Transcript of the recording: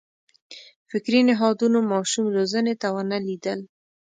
فکري نهادونو ماشوم روزنې ته ونه لېدل.